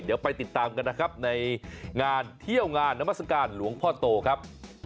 เดี๋ยวไปติดตามกันนะครับในงานเที่ยวงานนามัศกาลหลวงพ่อโตครับ